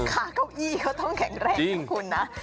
คะเข้าอี้ก็ต้องแข็งแรงกับคุณนะ